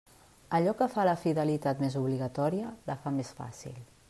Allò que fa la fidelitat més obligatòria la fa més fàcil.